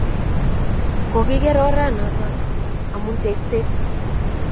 Kokiker oranatak amun tekset